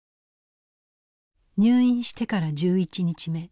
入院してから１１日目。